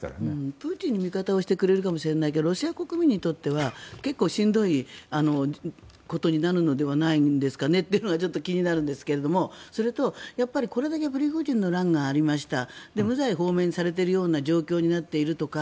プーチンに味方をしてくれるかもしれないけどロシア国民にとっては結構しんどいことになるのではないんですかねというのがちょっと気になるんですがそれと、これだけプリゴジンの乱がありました無罪放免されているような状況になっているとか